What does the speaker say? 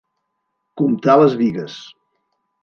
Comptar les bigues.